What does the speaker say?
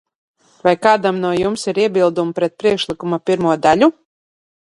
Vai kādam no jums ir iebildumi pret priekšlikuma pirmo daļu?